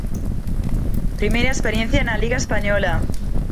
Primeira experiencia na Liga española.